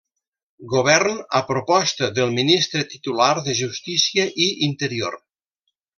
Govern a proposta del Ministre titular de Justícia i Interior.